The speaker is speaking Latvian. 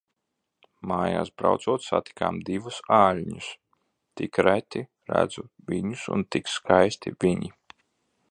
Mājās braucot, satikām divus aļņus. Tik reti redzu viņus un tik skaisti viņi.